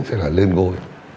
sẽ là lên ngôi